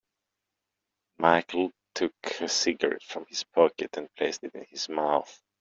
Michael took a cigarette from his pocket and placed it in his mouth.